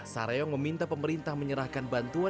saryong meminta pemerintah menyerahkan bantuan